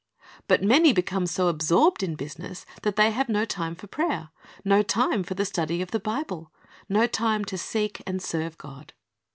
But many become so absorbed in business that they have no time for prayer, no time for the study of the Bible, no time to seek and serve God.